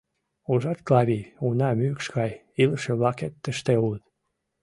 Ужат, Клавий, уна мӱкш гай илыше-влакет тыште улыт.